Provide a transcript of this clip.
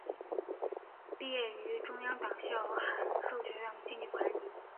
毕业于中央党校函授学院经济管理。